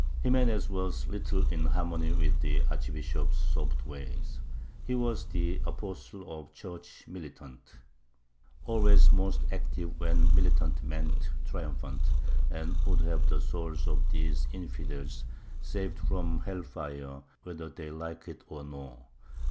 " Ximenes was little in harmony with the archbishop's soft ways: he was the apostle of the Church Militant, always most active when militant meant triumphant, and would have the souls of these "infidels" saved from hell fire whether they liked it or no.